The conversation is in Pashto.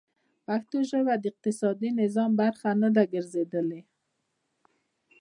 پښتو ژبه د اقتصادي نظام برخه نه ده ګرځېدلې.